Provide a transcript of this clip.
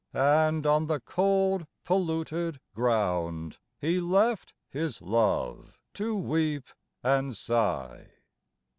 And on the cold polluted ground He left his love to weep and sigh.